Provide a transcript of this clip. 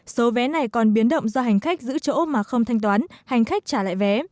số vé này còn biến động do hành khách giữ chỗ mà không thanh toán hành khách trả lại vé